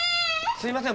すいません